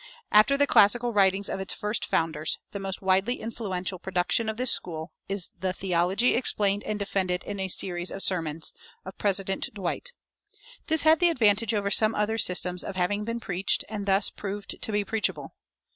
After the classical writings of its first founders, the most widely influential production of this school is the "Theology Explained and Defended in a Series of Sermons" of President Dwight. This had the advantage over some other systems of having been preached, and thus proved to be preachable.